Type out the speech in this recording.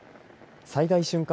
最大瞬間